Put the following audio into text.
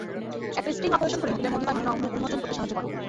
একটা sting operation করে হোটেলের মধ্যকার ঘটনা উন্মোচন করতে সাহায্য কর।